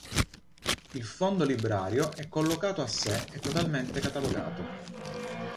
Il fondo librario è collocato a sé e totalmente catalogato.